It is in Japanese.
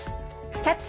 「キャッチ！